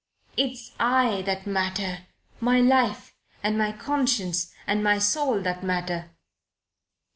It's I that matter my life and my conscience and my soul that matter."